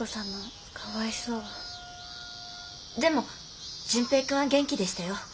でも純平君は元気でしたよ。